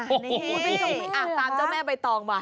โอ้โฮไม่เจ้าแม่เหรอคะตามเจ้าแม่ใบตองมา